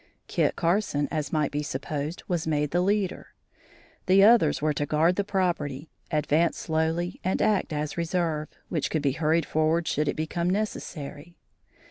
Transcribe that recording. Kit Carson, as might be supposed, was made the leader. The others were to guard the property, advance slowly and act as reserve, which could be hurried forward should it become necessary.